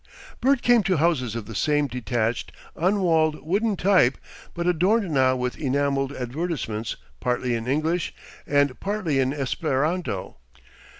Bert came to houses of the same detached, unwalled, wooden type, but adorned now with enamelled advertisements partly in English and partly in Esperanto.